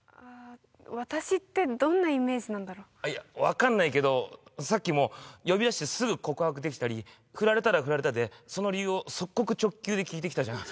私ってどんなイメージなんだろいや分かんないけどさっきも呼び出してすぐ告白できたりフラれたらフラれたでその理由を即刻直球で聞いてきたじゃん